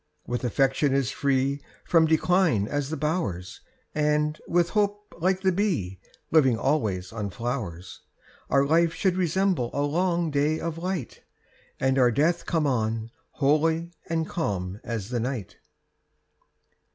With affection as free From decline as the bowers, And, with hope, like the bee, Living always on flowers, Our life should resemble a long day of light, And our death come on, holy and calm as the night.